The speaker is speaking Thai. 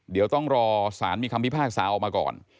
เดี๋ยวต้องรอสารมีคำพิพากษาออกมาก่อน